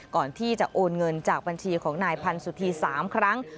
ก่อนที่จะโอนเงินจากบัญชีของนายพันธ์สุธี๓ครั้ง